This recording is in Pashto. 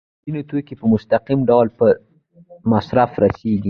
ځینې توکي په مستقیم ډول په مصرف رسیږي.